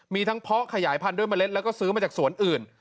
มีทั้งเพาะขยายพันธุ์ด้วยเมล็ดแล้วก็ซื้อมาจากสวนอื่น